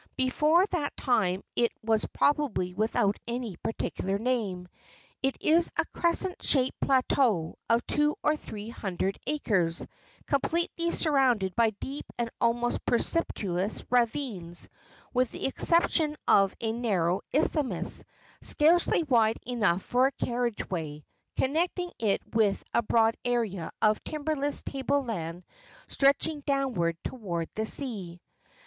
Before that time it was probably without any particular name. It is a crescent shaped plateau of two or three hundred acres, completely surrounded by deep and almost precipitous ravines, with the exception of a narrow isthmus, scarcely wide enough for a carriage way, connecting it with a broad area of timberless table land stretching downward toward the sea.